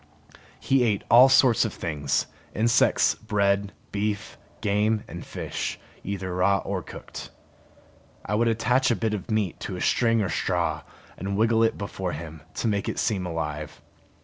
He ate all sorts of things, insects, bread, beef, game and fish, either raw or cooked. I would attach a bit of meat to a string or straw, and wiggle it before him, to make it seem alive.